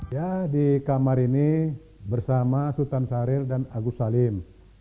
ya di kamar ini bersama sultan syahril dan agus salim